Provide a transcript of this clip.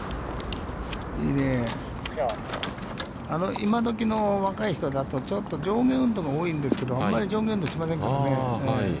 今どきの若い人だと、ちょっと上下運動が多いんですけど、あまり上下運動をしませんね。